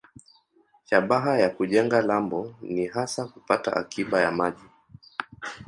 Shabaha ya kujenga lambo ni hasa kupata akiba ya maji.